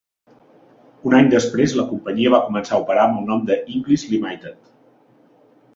Un any després, la companyia va començar a operar amb el nom de Inglis Limited.